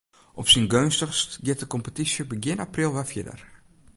Op syn geunstichst giet de kompetysje begjin april wer fierder.